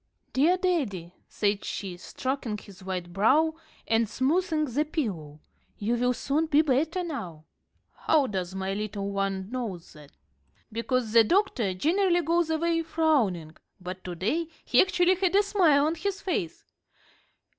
"Dear daddy," said she, stroking his white brow and smoothing the pillow, "you will soon be better now." [Illustration: "The twenty seventh Psalm."] "How does my little one know that?" "Because the doctor generally goes away frowning, but to day he actually had a smile on his face.